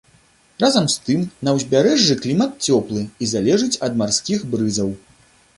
Разам з тым на ўзбярэжжы клімат цёплы і залежыць ад марскіх брызаў.